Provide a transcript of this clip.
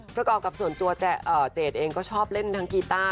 พระกราบกับส่วนตัวจแห่เอ่อเจ๋ดเองก็ชอบเล่นทั้งกีตา